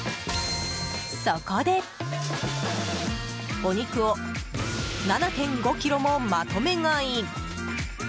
そこでお肉を７．５ｋｇもまとめ買い。